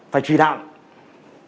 phải chỉ đạo các cục